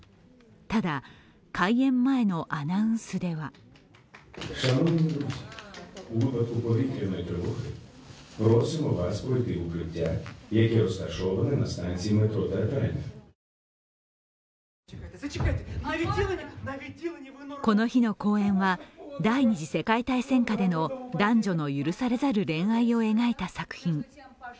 ただ、開演前のアナウンスではこの日の公演は、第二次世界大戦下での男女の許されざる恋愛を描いた作品。